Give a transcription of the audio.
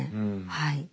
はい。